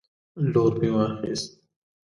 لور مې واخیست